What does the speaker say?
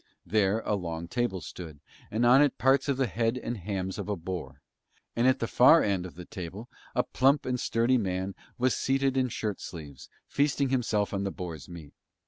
There a long table stood, and on it parts of the head and hams of a boar; and at the far end of the table a plump and sturdy man was seated in shirt sleeves feasting himself on the boar's meat.